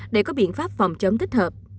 để có biện pháp phòng chống thích hợp